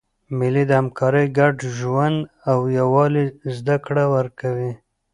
مېلې د همکارۍ، ګډ ژوند او یووالي زدهکړه ورکوي.